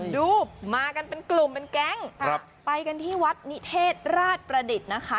ดูมากันเป็นกลุ่มเป็นแก๊งไปกันที่วัดนิเทศราชประดิษฐ์นะคะ